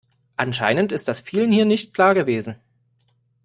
Anscheinend ist das vielen hier nicht klar gewesen.